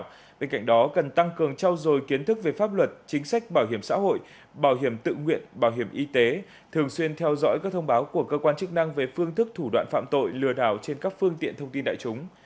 do bên cạnh đó cần tăng cường trao dồi kiến thức về pháp luật chính sách bảo hiểm xã hội bảo hiểm tự nguyện bảo hiểm y tế thường xuyên theo dõi các thông báo của cơ quan chức năng về phương thức thủ đoạn phạm tội lừa đảo trên các phương tiện thông tin đại chúng